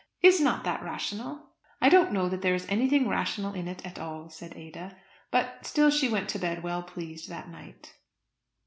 Is not that rational?" "I don't know that there is anything rational in it all," said Ada. But still she went to bed well pleased that night.